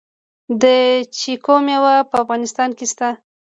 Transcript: د چیکو میوه په افغانستان کې شته؟